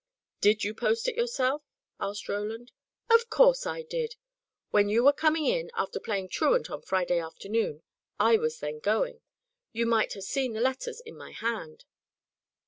"Did you post it yourself?" asked Roland. "Of course I did. When you were coming in, after playing truant on Friday afternoon, I was then going. You might have seen the letters in my hand."